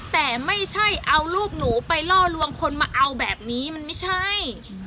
แต่ไม่ใช่เอาลูกหนูไปล่อลวงคนมาเอาแบบนี้มันไม่ใช่